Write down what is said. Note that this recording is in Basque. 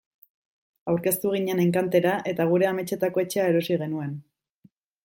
Aurkeztu ginen enkantera eta gure ametsetako etxea erosi genuen.